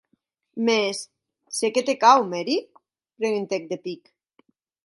Mès, se qué te cau, Mary?, preguntèc de pic.